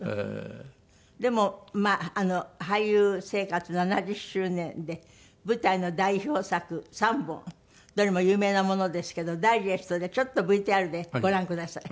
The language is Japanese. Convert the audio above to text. でもまあ俳優生活７０周年で舞台の代表作３本どれも有名なものですけどダイジェストでちょっとＶＴＲでご覧ください。